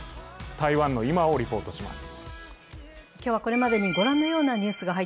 台湾の今をリポートします。